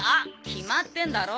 決まってんだろ。